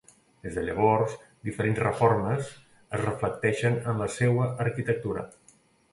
Des de llavors, diferents reformes es reflecteixen en la seua arquitectura.